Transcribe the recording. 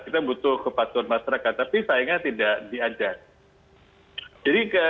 kita butuh kepatuhan masyarakat tapi sayangnya tidak diajak